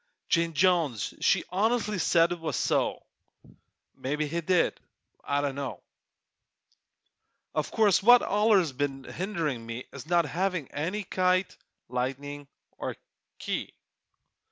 Jane Jones she honestly said it was so! Mebbe he did I dunno! O' course what's allers been hinderin' me Is not havin' any kite, lightning er key.